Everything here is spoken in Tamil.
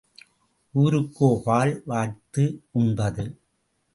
ஊருக்கோ பால் வார்த்து உண்பது?